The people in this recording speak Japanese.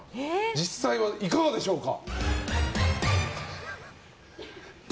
実際はいかがでしょうか？